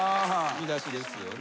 見出しですよね。